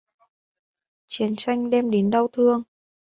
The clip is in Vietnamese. chiến tranh đem đến đau thương